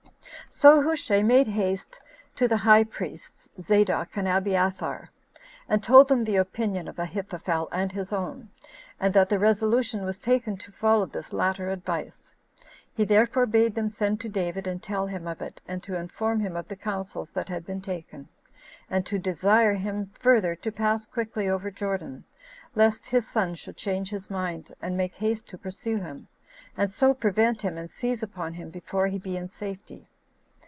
7. So Hushai made haste to the high priests, Zadok and Abiathar, and told them the opinion of Ahithophel, and his own, and that the resolution was taken to follow this latter advice. He therefore bade them send to David, and tell him of it, and to inform him of the counsels that had been taken; and to desire him further to pass quickly over Jordan, lest his son should change his mind, and make haste to pursue him, and so prevent him, and seize upon him before he be in safety.